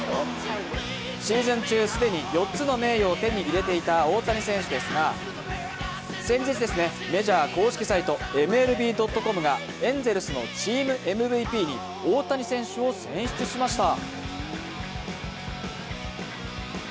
シーズン中、既に４つの名誉を手に入れていた大谷選手ですが先日、メジャー公式サイト、ＭＬＢ．ｃｏｍがエンゼルスのチームＭＶＰに大谷選手を選出しました。